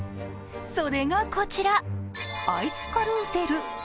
それがこちら、アイスカルーセル。